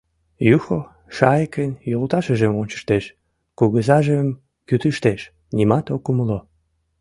Юхо шайыкын йолташыжым ончыштеш, кугызажым кӱтыштеш — нимат ок умыло.